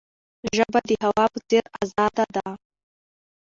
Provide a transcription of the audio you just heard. ژبه د هوا په څیر آزاده ده.